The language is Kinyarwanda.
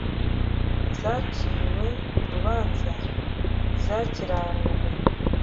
. Zaciwe urubanza: Zakiranuwe.